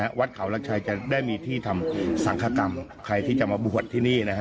แต่พวกเราจะมาร่วมกันสร้างทำให้โบสถ์หลังนี้เสร็จนะฮะ